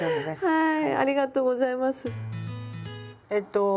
はい。